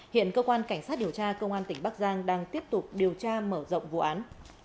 hiện cơ quan cảnh sát điều tra công an tỉnh bắc giang đang tiếp tục điều tra mở rộng vụ án